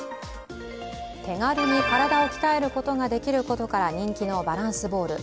手軽に体を鍛えることができることから人気のバランスボール。